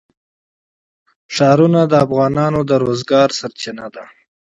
ښارونه د افغانانو د معیشت سرچینه ده.